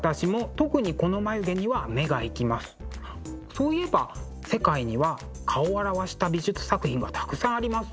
そういえば世界には顔を表した美術作品がたくさんありますよね。